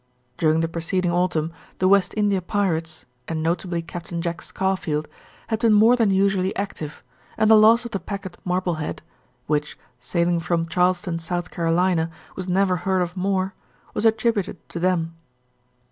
During the preceding autumn the West India pirates, and notably Capt. Jack Scarfield, had been more than usually active, and the loss of the packet Marblehead (which, sailing from Charleston, South Carolina, was never heard of more) was attributed to them.